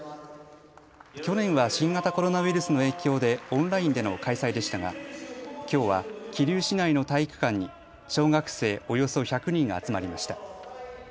去年は新型コロナウイルスの影響でオンラインでの開催でしたがきょうは桐生市内の体育館に小学生およそ１００人が集まりました。